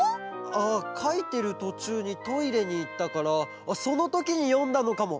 ああかいてるとちゅうにトイレにいったからそのときによんだのかも。